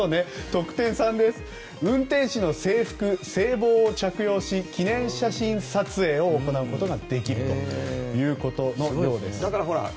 特典３、運転士の制服・制帽を着用し記念写真撮影を行うことができるということです。